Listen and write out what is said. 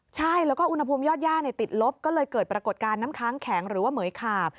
ใช่แล้วก็อุณหภูมิยอดย่าติดลบก็เลยเกิดปรากฏการณ์น้ำค้างแข็งหรือว่าเหมือยขาบ